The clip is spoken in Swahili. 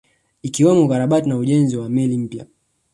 Ikiwemo ukarabati na ujenzi wa meli mpya